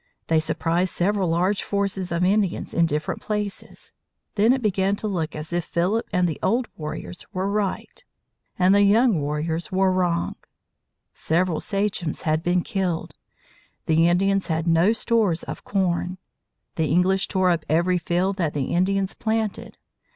They surprised several large forces of Indians in different places. Then it began to look as if Philip and the old warriors were right and the young warriors were wrong. Several sachems had been killed. The Indians had no stores of corn. The English tore up every field that the Indians planted.